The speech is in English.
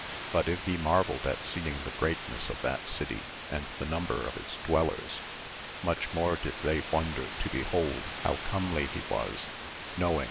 But if he marvelled at seeing the greatness of that city and the number of its dwellers, much more did they wonder to behold how comely he was, knowing 19—2 292 AMADIS OF GAUL.